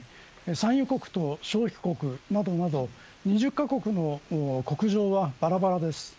産油国と消費国などなど２０カ国の国情はばらばらです。